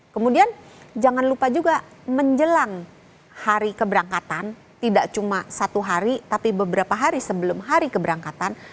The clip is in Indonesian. kemudian jangan lupa juga menjelang hari keberangkatan tidak cuma satu hari tapi beberapa hari sebelum hari keberangkatan